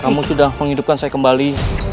kamu sudah menghidupkan saya kembali